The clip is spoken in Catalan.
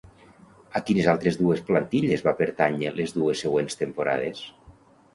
A quines altres dues plantilles va pertànyer les dues següents temporades?